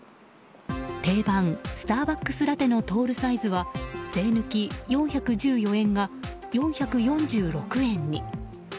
定番、スターバックスラテのトールサイズは税抜き４１４円が４４６円に。